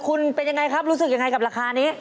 คุณเป็นยังไงครับรู้สึกยังไงกับราคานี้